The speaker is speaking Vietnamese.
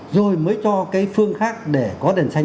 rồi mới cho cái phương khác để có đèn xanh